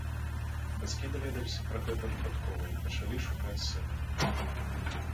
Бацькі даведаліся пра гэта выпадкова і пачалі шукаць сына.